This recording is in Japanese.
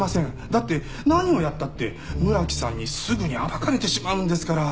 だって何をやったって村木さんにすぐに暴かれてしまうんですから。